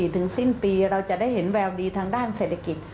สิ้นปีเราจะได้เห็นแววดีทางด้านเศรษฐกิจ